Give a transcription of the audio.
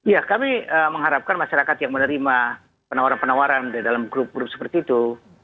ya kami mengharapkan masyarakat yang menerima penawaran penawaran di dalam grup grup seperti itu